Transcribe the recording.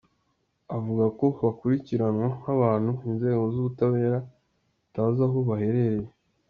Avuga ko bakurikiranwa nk’abantu inzego z’ubutabera zitazi aho baherereye.